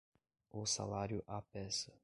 O salário à peça